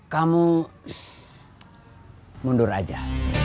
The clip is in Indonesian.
kamu mundur aja